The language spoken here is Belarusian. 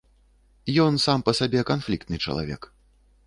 Ён сам па сабе канфліктны чалавек.